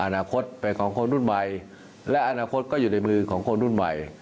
อนาคตเป็นของคนรุ่นใหม่และอนาคตก็อยู่ในมือของคนรุ่นใหม่